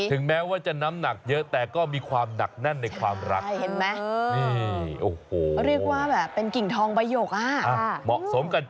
แม้ว่าจะน้ำหนักเยอะแต่ก็มีความหนักแน่นในความรัก